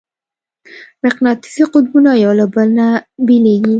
مقناطیسي قطبونه یو له بله نه بېلېږي.